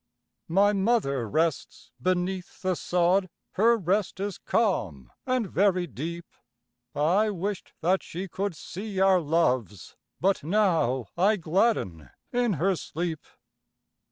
My Mother rests beneath the sod, Her rest is calm and very deep: I wish'd that she could see our loves, But now I gladden in her sleep.